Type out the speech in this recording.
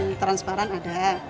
racun transparan ada